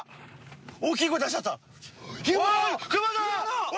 大きい声出しちゃった。